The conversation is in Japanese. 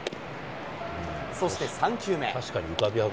そして３球目。